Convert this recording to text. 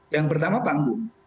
yang pertama panggung